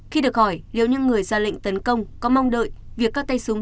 khi được hỏi nếu những người ra lệnh tấn công có mong đợi việc các tay súng